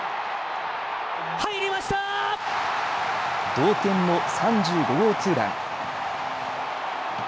同点の３５号ツーラン。